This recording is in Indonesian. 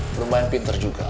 bermain pinter juga